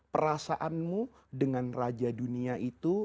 perasaanmu dengan raja dunia itu